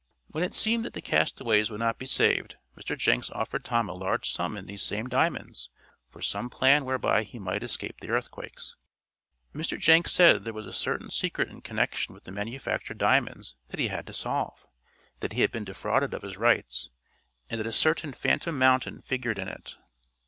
When it seemed that the castaways would not be saved Mr. Jenks offered Tom a large sum in these same diamonds for some plan whereby he might escape the earthquakes. Mr. Jenks said there was a certain secret in connection with the manufactured diamonds that he had to solve that he had been defrauded of his rights and that a certain Phantom Mountain figured in it.